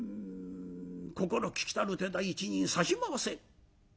「心利きたる手代一人差し回せ」。